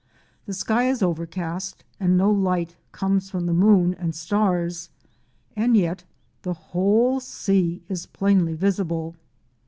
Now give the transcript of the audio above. The sky is overcast and no light comes from the moon and stars, and yet the whole sea is plainly visible.